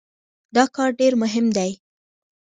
دا کار ډېر مهم دی.